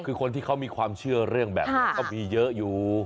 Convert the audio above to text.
คือคนที่เขามีความเชื่อเรื่องแบบนี้ก็มีเยอะอยู่